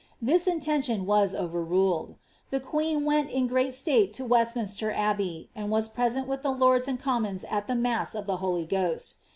This intention was overruled : the queen went in great state tminster Abbey, and was present with the lords and commons at M of the Holy Ghost.'